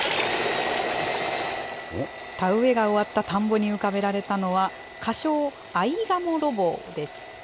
田植えが終わった田んぼに浮かべられたのは、仮称、アイガモロボです。